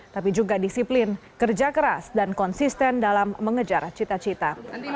tapi juga disiplin kerja keras dan konsisten dalam mengejar cita cita